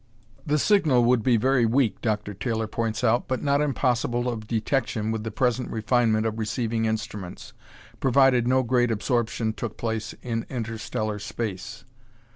The signal would be very weak, Dr. Taylor points out, but not impossible of detection with the present refinement of receiving instruments, provided no great absorption took place in interstellar space.